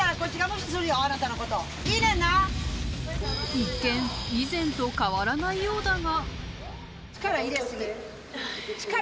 一見、以前と変わらないようだが。